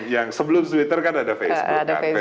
yang sebelum twitter kan ada facebook